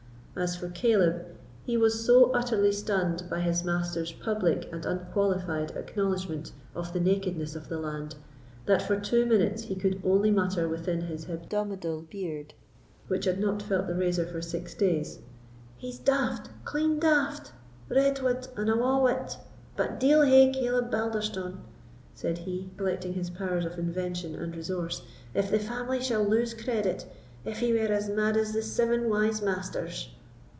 As for Caleb, he was so utterly stunned by his master's public and unqualified acknowledgment of the nakedness of the land, that for two minutes he could only mutter within his hebdomadal beard, which had not felt the razor for six days, "He's daft—clean daft—red wud, and awa' wit! But deil hae Caleb Balderstone," said he, collecting his powers of invention and resource, "if the family shall lose credit, if he were as mad as the seven wise masters!"